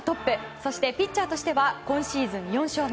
そして、ピッチャーとしては今シーズン４勝目。